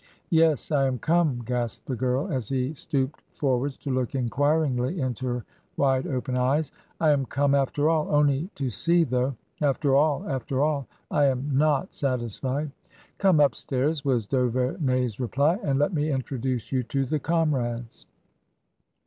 " Yes ! I am come," gasped the girl, as he stooped for wards to look enquiringly into her wide open eyes ;" I am come after all. Only to see, though. After all — after all ! I am not satisfied !"" Come upstairs," was d*Auvemey*s reply, " and let me introduce you to the comrades."